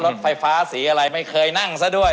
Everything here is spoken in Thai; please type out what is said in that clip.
รถไฟฟ้าสีอะไรไม่เคยนั่งซะด้วย